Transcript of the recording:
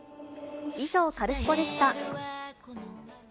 以上、カルスポっ！でした。